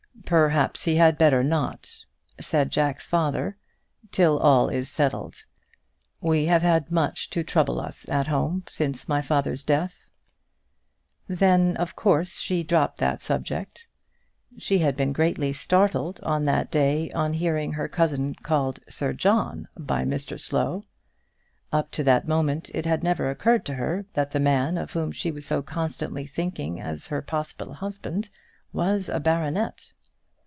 "Perhaps he had better not," said Jack's father, "till all is settled. We have had much to trouble us at home since my father's death." Then of course she dropped that subject. She had been greatly startled on that day on hearing her cousin called Sir John by Mr Slow. Up to that moment it had never occurred to her that the man of whom she was so constantly thinking as her possible husband was a baronet.